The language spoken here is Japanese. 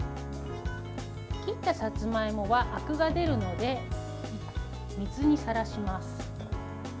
切ったさつまいもはあくが出るので、水にさらします。